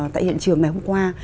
tại hiện trường ngày hôm qua